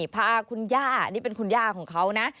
พาคุณย่านี่เป็นคุณย่าของเขานะ